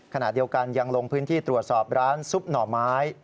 ขณะเดียวกันยังลงพื้นที่ตรวจสอบร้านซุปหน่อไม้